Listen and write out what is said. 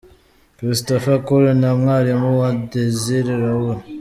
Christopher Kule na mwarimu we Dasiel Raul.